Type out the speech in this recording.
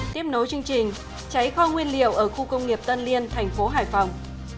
tiếp nối chương trình cháy kho nguyên liệu ở khu công nghiệp tân liên thành phố hải phòng